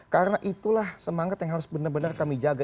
karena itulah semangat yang harus benar benar kami jaga